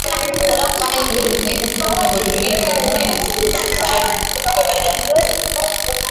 Mfano mzuri ni jinsi mfalme Goodwill Zwelithini aliyezikwa siku chache zilizopita baada ya kufa